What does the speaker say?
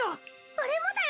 俺もだよ